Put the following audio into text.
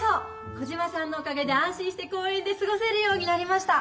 コジマさんのおかげで安心して公園で過ごせるようになりました。